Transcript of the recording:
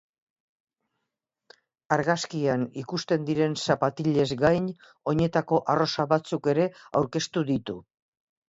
Argazkian ikusten diren zapatilez gain, oinetako arrosa batzuk ere aurkeztu ditu.